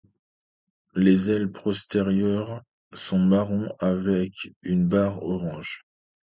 Les ailes postérieures sont marron avec une barre orange.